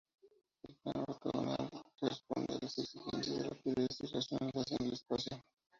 El plano ortogonal responde a las exigencias de rapidez y de racionalización del espacio.